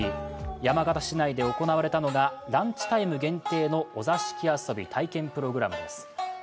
山形市内で行われたのがランチタイム限定のお座敷遊び体験プログラムです。